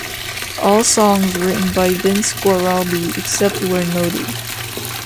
All songs written by Vince Guaraldi except where noted.